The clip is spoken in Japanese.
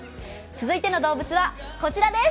続いての動物はこちらです。